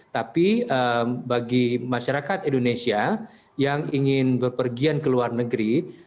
tapi bagi masyarakat indonesia yang ingin berpergian ke luar negeri